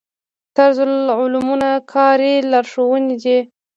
طرزالعملونه کاري لارښوونې دي